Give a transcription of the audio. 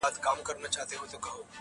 خیال ته زما هسې مضمون راغی